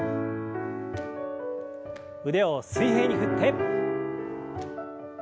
腕を水平に振って。